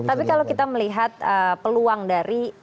tapi kalau kita melihat peluang dari